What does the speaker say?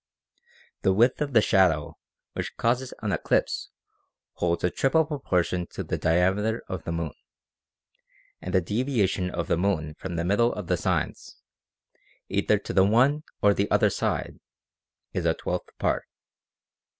The width of the shadow which causes an eclipse holds a triple proportion to the diameter of the moon ; and the deviation of the moon from the middle of the signs, either to the one or the other side, is a twelfth part.